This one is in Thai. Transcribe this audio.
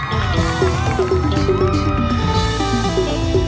เธอไม่รู้ว่าเธอไม่รู้